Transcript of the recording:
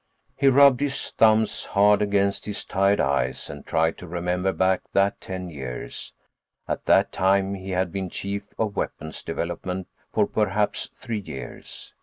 He rubbed his thumbs hard against his tired eyes and tried to remember back that ten years: at that time he had been Chief of Weapons Development for perhaps three years.